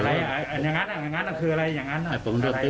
อะไรอะอย่างนั้นอะอย่างนั้นอะคืออะไรอย่างนั้นอะให้ผมร่วมด้วยกับเขา